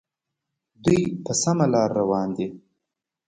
دوی په سمه لار روان دي.